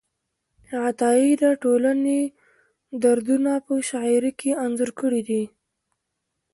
عطایي د ټولنې دردونه په شاعرۍ کې انځور کړي دي.